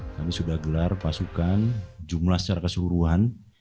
kami sudah gelar pasukan jumlah secara keseluruhan